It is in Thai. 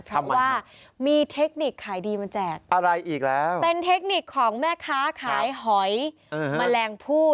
เพราะว่ามีเทคนิคขายดีมาแจกอะไรอีกแล้วเป็นเทคนิคของแม่ค้าขายหอยแมลงผู้